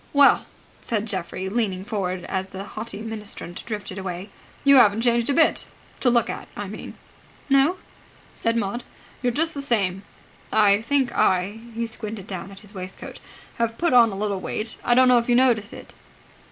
"Well," said Geoffrey leaning forward, as the haughty ministrant drifted away, "you haven't changed a bit. To look at, I mean." "No?" said Maud. "You're just the same. I think I" he squinted down at his waistcoat "have put on a little weight. I don't know if you notice it?"